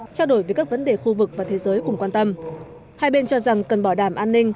trao đổi về các vấn đề khu vực và thế giới cùng quan tâm hai bên cho rằng cần bỏ đảm an ninh